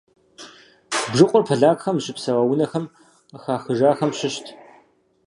Бжыкъур полякхэр зыщыпсэуа унэхэм къыхахыжахэм щыщт.